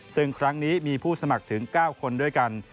ซึ่งครั้งนี้มีผู้สมัครถึง๙คนด้วยกัน